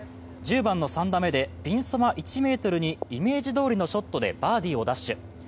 １０番の３打目で、ピンそば１ｍにイメージどおりのショットでバーディーを奪取。